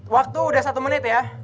waktu udah satu menit ya